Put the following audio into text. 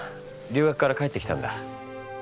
留学から帰ってきたんだ。